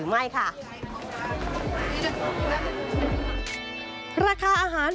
เป็นอย่างไรนั้นติดตามจากรายงานของคุณอัญชาฬีฟรีมั่วครับ